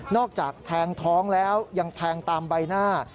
อกจากแทงท้องแล้วยังแทงตามใบหน้า